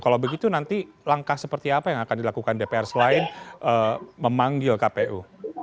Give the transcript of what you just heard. kalau begitu nanti langkah seperti apa yang akan dilakukan dpr selain memanggil kpu